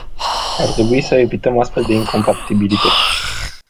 Ar trebui să evităm astfel de incompatibilități.